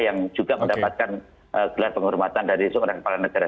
yang juga mendapatkan gelas penghormatan dari semua orang kepala negara